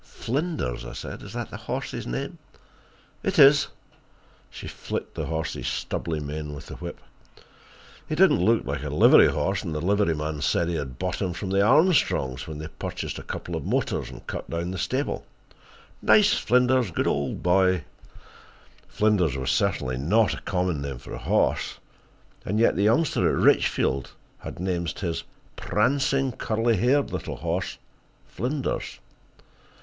"Flinders?" I asked. "Is that the horse's name?" "It is." She flicked the horse's stubby mane with the whip. "He didn't look like a livery horse, and the liveryman said he had bought him from the Armstrongs when they purchased a couple of motors and cut down the stable. Nice Flinders—good old boy!" Flinders was certainly not a common name for a horse, and yet the youngster at Richfield had named his prancing, curly haired little horse Flinders!